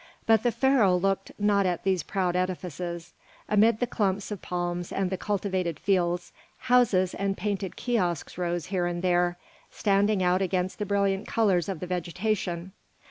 But the Pharaoh looked not at these proud edifices. Amid the clumps of palms and the cultivated fields, houses and painted kiosks rose here and there, standing out against the brilliant colours of the vegetation.